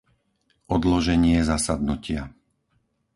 Odloženie zasadnutia